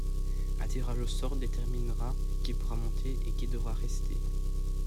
Un tirage au sort déterminera qui pourra monter et qui devra rester.